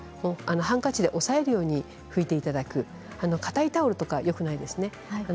ハンカチで押さえるように拭いていただく固いタオルはよくないですね